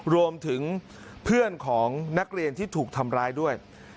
รวมถึงเพื่อนของนักเรียนที่ถูกทำร้ายด้วย